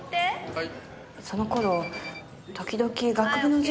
はい。